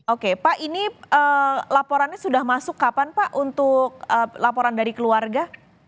oke pak ini laporannya sudah masuk kapan pak untuk laporan dari keluarga